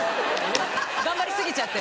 頑張り過ぎちゃって。